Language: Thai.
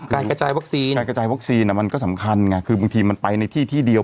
การกระจายวัคซีนการกระจายวัคซีนมันก็สำคัญไงคือบางทีมันไปในที่ที่เดียว